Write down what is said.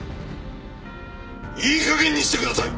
いいかげんにしてください！